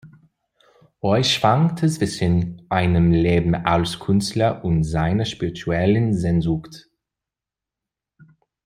Roy schwankte zwischen einem Leben als Künstler und seiner spirituellen Sehnsucht.